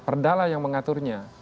perdahlah yang mengaturnya